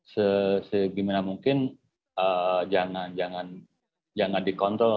sebagaimana mungkin jangan dikontrol